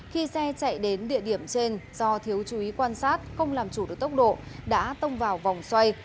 khi xe chạy đến địa điểm trên do thiếu chú ý quan sát không làm chủ được tốc độ đã tông vào vòng xoay